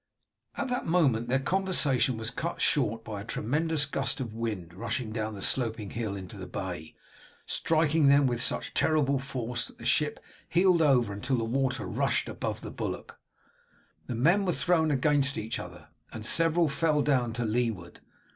At that moment their conversation was cut short by a tremendous gust of wind rushing down the sloping hill into the bay striking them with such terrible force that the ship heeled over until the water rushed above the bulwark. The men were thrown against each other, and several fell down to leeward.